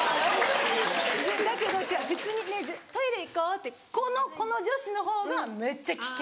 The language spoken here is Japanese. だけど違う普通に「ねぇトイレ行こう」ってこの女子の方がめっちゃ危険。